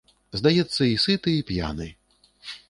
Здаецца, і сыты і п'яны.